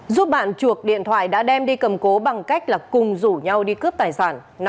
giúp bạn chuộc điện thoại đã đem đi cầm cố bằng cách cùng rủ nhau đi cướp tài sản